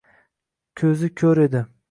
Koʻzi koʻr edi.